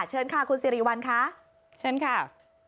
เชิญค่ะคุณสิริวัลค่ะเชิญค่ะ